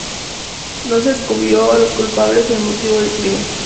No se descubrió a los culpables ni el motivo del crimen.